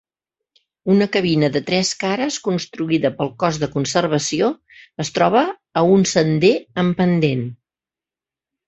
Una cabina de tres cares construïda pel Cos de Conservació es troba a un sender amb pendent.